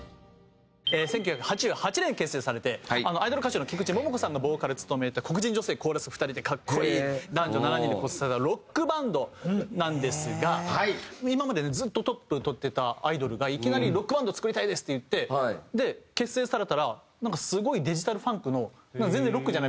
１９８８年に結成されてアイドル歌手の菊池桃子さんがボーカルを務めて黒人女性コーラス２人で格好いい男女７人で構成されたロックバンドなんですが今までねずっとトップとってたアイドルがいきなり「ロックバンド作りたいです」って言って結成されたらなんかすごいデジタルファンクの。